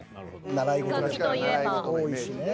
習い事多いしね。